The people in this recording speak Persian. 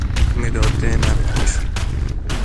مداد نقاشی